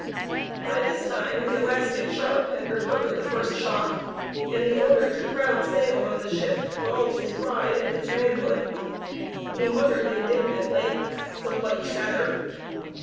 By this time elastic Sharpe had recovered the first shock; and the order to crowd sail on the ship galled his pride and his manhood; he muttered, indignantly, "The white feather!"